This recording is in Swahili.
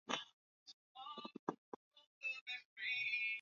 Idara ya kusanifu lugha Taasisi ya Kiswahili